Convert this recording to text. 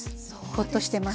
ほっとしてます。